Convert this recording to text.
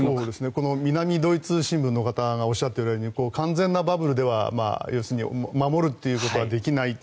南ドイツ新聞の方がおっしゃられているように完全なバブルを守るということはできない。